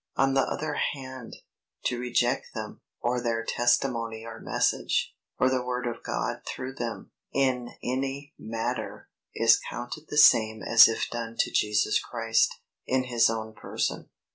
On the other hand, to reject them, or their testimony or message, or the word of God through them, in any matter, is counted the same as if done to Jesus Christ, in his own person.